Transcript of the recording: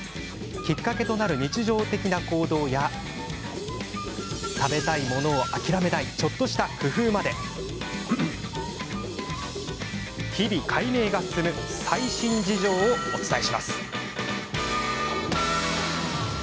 きっかけとなる日常的な行動や食べたいものを諦めないちょっとした工夫まで日々、解明が進む最新事情をお伝えします。